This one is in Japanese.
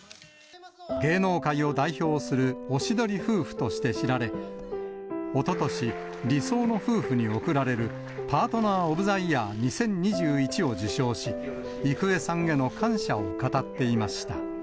芸能界を代表するおしどり夫婦として知られ、おととし、理想の夫婦に贈られるパートナー・オブ・ザ・イヤー２０２１を受賞し、郁恵さんへの感謝を語っていました。